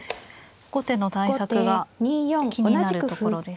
後手の対策が気になるところです。